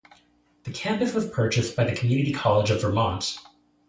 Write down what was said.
The campus was purchased by the Community College of Vermont.